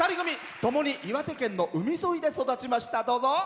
共に岩手県の海沿いで育ちました。